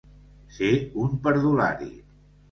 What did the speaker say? Ser un perdulari.